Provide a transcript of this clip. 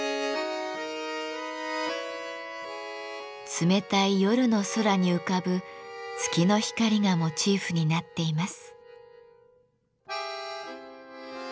冷たい夜の空に浮かぶ月の光がモチーフになっています。